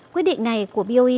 quyết định này của boe